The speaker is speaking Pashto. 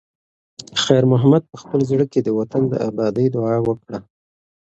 خیر محمد په خپل زړه کې د وطن د ابادۍ دعا وکړه.